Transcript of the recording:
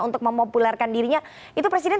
untuk memopulerkan dirinya itu presiden